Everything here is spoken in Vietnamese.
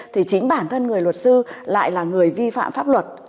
thì chính bản thân người luật sư lại là người vi phạm pháp luật